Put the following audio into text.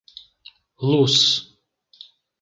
Luz